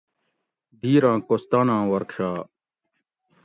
دیراں کوستاناں ورکشاپ